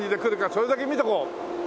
それだけ見てこう。